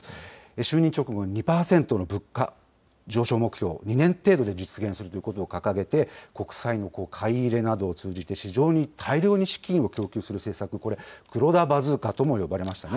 就任直後の２％の物価上昇目標、２年程度で実現するということを掲げて、国債の買い入れなどを通じて市場に大量に資金を供給する政策、これ、黒田バズーカとも呼ばれましたね。